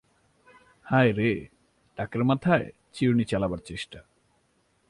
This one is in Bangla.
হায় রে, টাকের মাথায় চিরুনি চালাবার চেষ্টা!